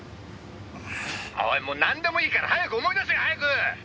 「おいもう何でもいいから早く思い出せ！早く！」